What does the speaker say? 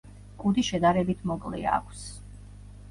კუდი შედარებით მოკლე აქვს.